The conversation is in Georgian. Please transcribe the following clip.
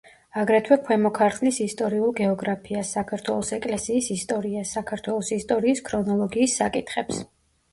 აგრეთვე ქვემო ქართლის ისტორიულ გეოგრაფიას, საქართველოს ეკლესიის ისტორიას, საქართველოს ისტორიის ქრონოლოგიის საკითხებს.